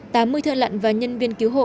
tám mươi thợ lặn và nhân viên cứu hộ